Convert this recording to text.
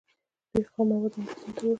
دوی خام مواد انګلستان ته وړل.